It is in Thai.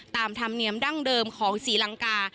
ตามธรรมเนียมดั้งเดิมของศรีลังกา